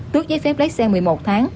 tước giấy phép lái xe một mươi một tháng